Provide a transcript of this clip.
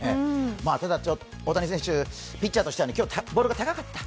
ただ、大谷選手、ピッチャーとしては今日、ボールが高かった。